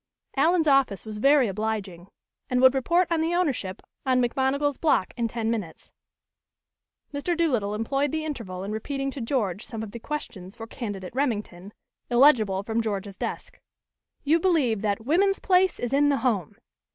Allen's office was very obliging and would report on the ownership on McMonigal's block in ten minutes. Mr. Doolittle employed the interval in repeating to George some of the "Questions for Candidate Remington," illegible from George's desk. "You believe that 'WOMAN'S PLACE IS IN THE HOME.'